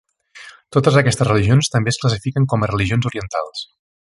Totes aquestes religions també es classifiquen com a religions orientals.